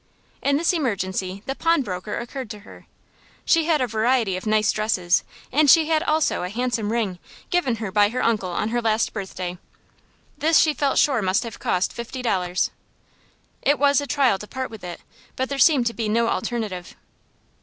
In this emergency the pawnbroker occurred to her. She had a variety of nice dresses, and she had also a handsome ring, given her by her uncle on her last birthday. This she felt sure must have cost fifty dollars. It was a trial to part with it, but there seemed to be no alternative.